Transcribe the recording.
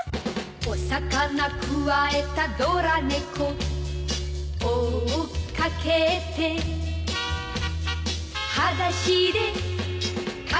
「お魚くわえたドラ猫」「追っかけて」「はだしでかけてく」